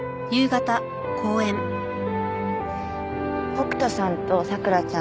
北斗さんと桜ちゃん